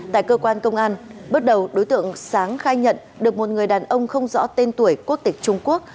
tại cơ quan công an bước đầu đối tượng sáng khai nhận được một người đàn ông không rõ tên tuổi quốc tịch trung quốc